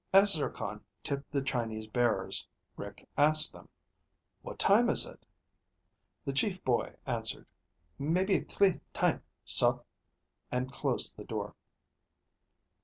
As Zircon tipped the Chinese bearers, Rick asked them, "What time is it?" The chief "boy" answered, "Maybe thlee time, sor," and closed the door.